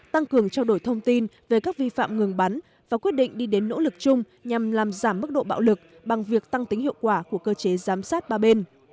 tăng cường trao đổi thông tin về các vi phạm ngừng bắn và quyết định đi đến nỗ lực chung nhằm làm giảm mức độ bạo lực bằng việc tăng tính hiệu quả của cơ chế giám sát ba bên